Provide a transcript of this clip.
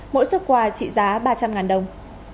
mỗi xuất quà trị giá ba trăm linh đồng